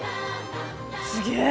すげえ！